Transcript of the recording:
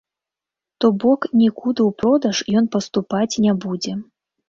То бок нікуды ў продаж ён паступаць не будзе.